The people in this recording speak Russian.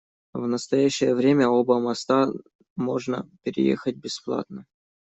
В настоящее время оба моста можно переехать бесплатно.